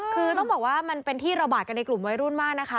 คือต้องบอกว่ามันเป็นที่ระบาดกันในกลุ่มวัยรุ่นมากนะคะ